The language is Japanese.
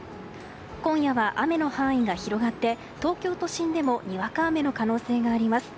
今夜は雨の範囲が広がって東京都心でもにわか雨の可能性があります。